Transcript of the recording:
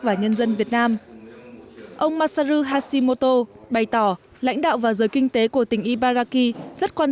và nhân dân việt nam ông masau hashimoto bày tỏ lãnh đạo và giới kinh tế của tỉnh ibaraki rất quan